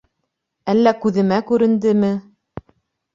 Әллә күҙемә күрендеме?